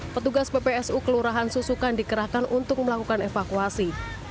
petugas ppsu kelurahan susukan dikerahkan untuk melakukan evakuasi